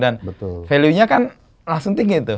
dan value nya kan langsung tinggi tuh